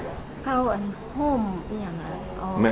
ข้าวข้าวออนไลน์หรือเปล่า